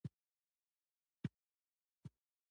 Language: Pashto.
شیریني ډیره خورئ؟